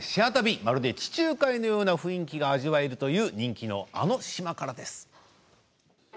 まるで地中海での雰囲気が味わえるという人気のあの島からです。